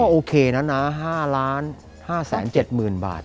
โอเคนะนะ๕๕๗๐๐๐บาท